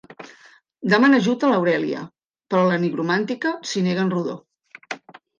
Demana ajut a l'Aurèlia, però la nigromàntica s'hi nega en rodó.